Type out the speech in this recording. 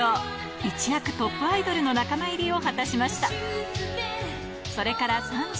一躍、トップアイドルの仲間入りを果たしました。